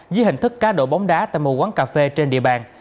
dưới hình thức cá độ bóng đá tại một quán cà phê trên địa bàn